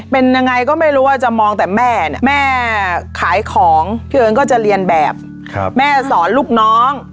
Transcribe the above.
เป็นยังไงก็ไม่รู้ว่าจะมองแต่แม่เนี่ยแม่ขายของพี่เอิญก็จะเรียนแบบแม่สอนลูกน้อง